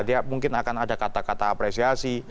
dia mungkin akan ada kata kata apresiasi